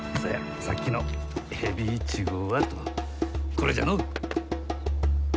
これじゃのう。